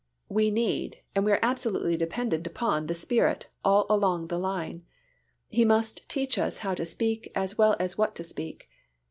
We need, and we are absolutely dependent upon the Spirit all along the line. He must teach us how to speak as well as what to speak.